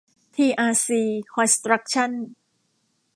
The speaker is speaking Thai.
ทีอาร์ซี คอนสตรัคชั่น